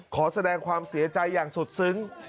ขอแสดงความเสียใจอย่างสุดซึ้ง